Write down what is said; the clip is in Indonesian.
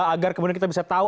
agar kemudian kita bisa tahu